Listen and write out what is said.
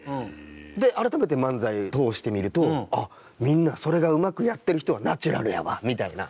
で改めて漫才通して見るとみんなそれがうまくやってる人はナチュラルやわみたいな。